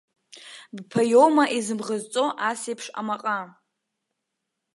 Бԥа иоума изымӷазҵо, асеиԥш амаҟа?